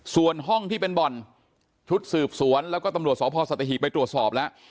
ส่วนห้องที่เป็นบ่อนชุดสืบสวนแล้วก็ตำรวจสพสัตหีบไปตรวจสอบแล้ว